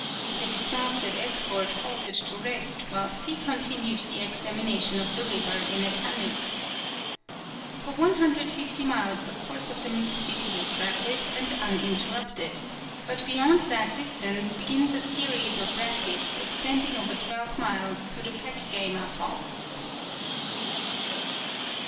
His exhausted escort halted to rest whilst he continued the examination of the river in a canoe. For 150 miles the course of the Mississippi is rapid and uninterrupted, but beyond that distance begins a series of rapids extending over twelve miles to the Peckgama Falls.